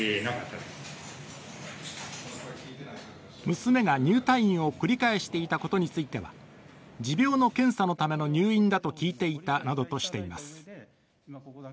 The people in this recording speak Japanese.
娘が入退院を繰り返していたことについては、持病の検査のための入院だと聞いていたなどとしています。